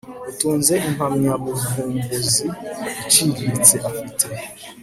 utunze impamyabuvumbuzi iciriritse afite